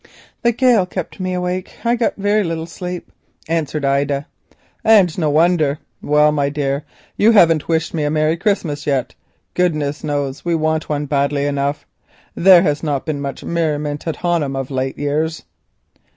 "The gale kept me awake. I got very little sleep," answered Ida. "And no wonder. Well, my love, you haven't wished me a merry Christmas yet. Goodness knows we want one badly enough. There has not been much merriment at Honham of late years."